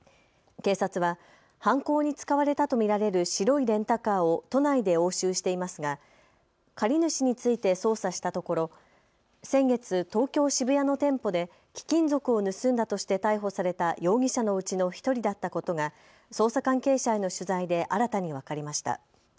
警察は犯行に使われたと見られる白いレンタカーを都内で押収していますが借り主について捜査したところ先月、東京渋谷の店舗で貴金属を盗んだとして逮捕された容疑者のうちの１人だったことが捜査関係者への取材で新たに分かりました。